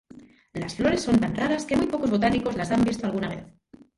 Las flores son tan raras que muy pocos botánicos las han visto alguna vez.